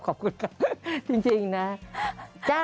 ขอบคุณกันจริงนะ